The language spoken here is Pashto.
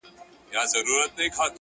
o ته لږه ایسته سه چي ما وویني،